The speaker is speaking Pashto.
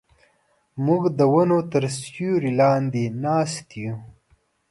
موږ د ونو تر سیوري لاندې ناست یو.